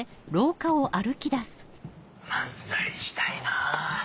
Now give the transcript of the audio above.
漫才したいなぁ。